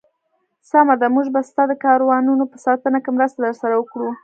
سمه ده، موږ به ستا د کاروانونو په ساتنه کې مرسته درسره وکړو.